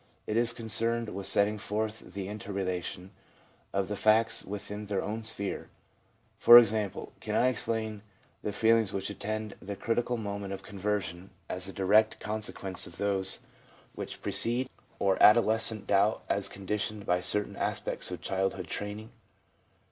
It is concerned with setting forth the inter relation of the facts within their own sphere. For example, can I explain the feelings which attend the critical moment of conversion as the direct consequence of those 1 6 THE PSYCHOLOGY OF RELIGION which precede ; or adolescent doubt as conditioned by certain aspects of childhood training